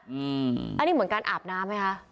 อันนี้เหมือนการอาบน้ำไหมคะ